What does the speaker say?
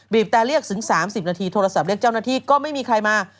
แต่เรียกถึง๓๐นาทีโทรศัพท์เรียกเจ้าหน้าที่ก็ไม่มีใครมา